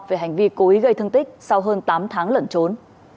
về hành vi cố ý gây thương tích sau hơn tám tháng lẩn trốn